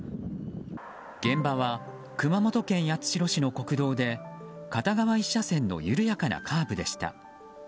現場は熊本県八代市の国道で片側１車線の緩やかなカーブでした。